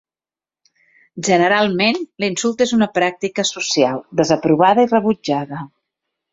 Generalment l'insult és una pràctica social desaprovada i rebutjada.